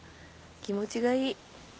気持ちがいい。